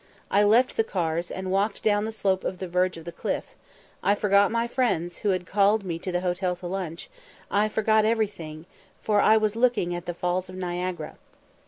I left the cars, and walked down the slope to the verge of the cliff; I forgot my friends, who had called me to the hotel to lunch I forgot everything for I was looking at the Falls of Niagara.